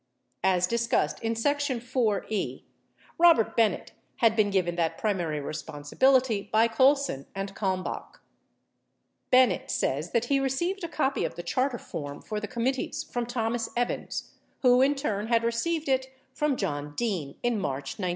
As discussed in section IV.E, Robert Bennett had been given that primary responsibility by Colson and Kalmbach. Bennett says that he received a copy of the charter form for the com mittees from Thomas Evans, who in turn had received it from John Dean in March 1971.